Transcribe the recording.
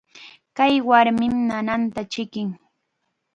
Kay warmim nananta chikin.